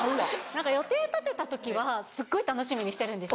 何か予定立てた時はすっごい楽しみにしてるんです。